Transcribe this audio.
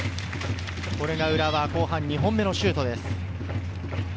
これが浦和の後半２本目のシュートです。